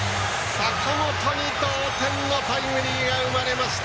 坂本に同点のタイムリーが生まれました！